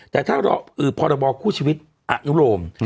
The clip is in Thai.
แต่ถ้ารอพรคู้ชีวิตอนุโลม